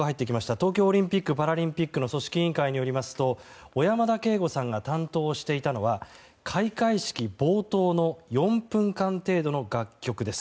東京オリンピック・パラリンピックの組織委員会によりますと小山田圭吾さんが担当していたのは開会式冒頭の４分間程度の楽曲です。